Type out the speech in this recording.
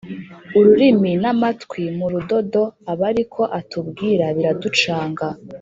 ururimi n'amatwi murudodo abariko atubwira biraducanga